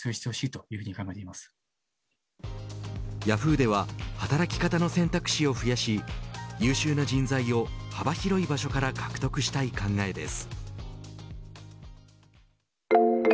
ヤフーでは働き方の選択肢を増やし優秀な人材を幅広い場所から獲得したい考えです。